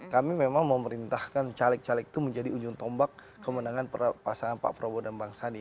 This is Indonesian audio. kami memang memerintahkan caleg caleg itu menjadi ujung tombak kemenangan pasangan pak prabowo dan bang sandi